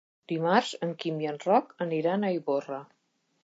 Dimarts en Quim i en Roc aniran a Ivorra.